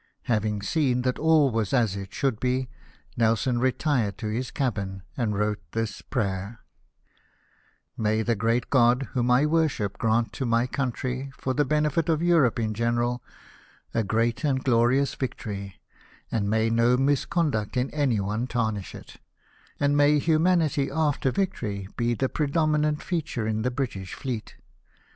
Having seen that all was as it should be, Nelson retired to his cabin, and wrote this prayer :—" May the Great God, whom I worship, grant to my country, for the benefit of Europe in general, a great and glorious victory ; and may no misconduct in anyone tarnish it ; and may humanity after victory be the predominant .feature in the British fleet!